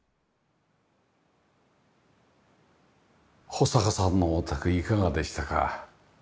保坂さんのお宅いかがでしたか？